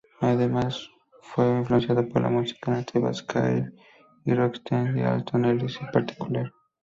Además fue influenciado por la música nativa ska y rocksteady, Alton Ellis en particular.